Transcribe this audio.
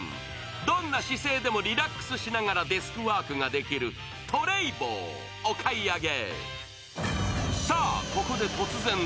どんな姿勢でもリラックスしながらデスクワークができるＴｒａｙｂｏ、お買い上げ。